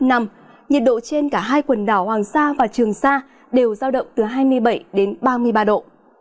nhiệt độ trên cả hai quần đảo hoàng sa và trường sa đều giao động từ hai mươi bảy đến ba mươi ba độ